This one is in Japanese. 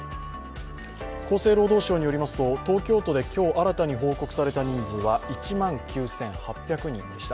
厚生労働省によりますと東京都で今日新たに報告された人数は１万９８００人でした。